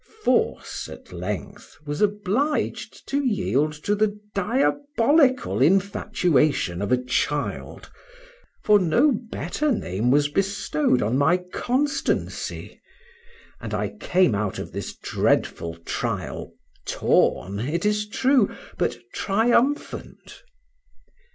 Force, at length, was obliged to yield to the diabolical infatuation of a child, for no better name was bestowed on my constancy, and I came out of this dreadful trial, torn, it is true, but triumphant.